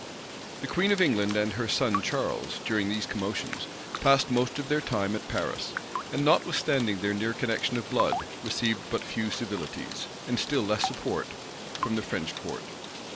The queen of England and her son Charles, during these commotions, passed most of their time at Paris; and notwithstanding their near connection of blood, received but few civilities, and still less support, from the French court.